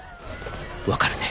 分かるね？